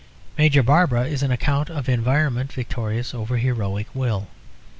Major Barbara is an account of environment victorious over heroic will.